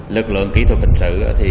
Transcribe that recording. lực lượng kỹ thuật hình sự